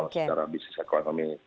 kalau secara bisnis ekonomi